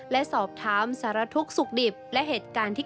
และสอบถามสารทุกข์สุขดิบและเหตุการณ์ที่